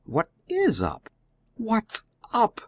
"What IS up?" "What's up!"